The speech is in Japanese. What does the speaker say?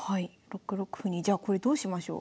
６六歩にじゃあこれどうしましょう？